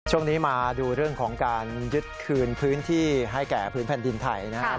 ช่วงนี้มาดูเรื่องของการยึดคืนพื้นที่ให้แก่พื้นแผ่นดินไทยนะครับ